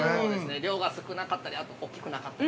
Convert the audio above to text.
◆漁が少なかったり、あと大きくなかったり。